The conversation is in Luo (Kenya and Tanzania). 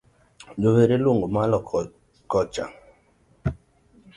Jower iluongo mwalo kicho